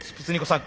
さん